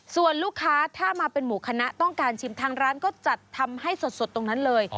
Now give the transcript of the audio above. ส่วนลูกค้าถ้ามาเป็นหมูคณะต้องการชิมทางร้านก็จัดทำให้สดตรงนั้นเลย